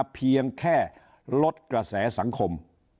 เพียงแค่ลดกระแสสังคม